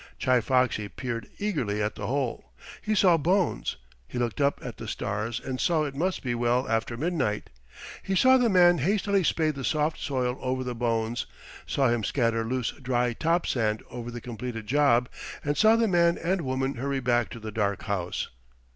Chi Foxy peered eagerly at the hole. He saw bones. He looked up at the stars and saw it must be well after midnight. He saw the man hastily spade the soft soil over the bones, saw him scatter loose dry top sand over the completed job, and saw the man and woman hurry back to the dark house.